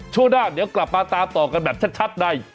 ช่วงหน้าเดี๋ยวกลับมาตามต่อกันแบบชัดใน